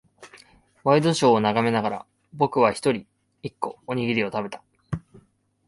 ワイドショーを眺めながら、僕らは一人、一個、おにぎりを食べた。